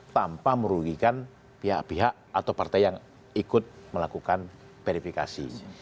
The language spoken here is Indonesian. tanpa merugikan pihak pihak atau partai yang ikut melakukan verifikasi